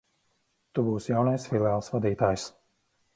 Tu būsi jaunais filiāles vadītājs.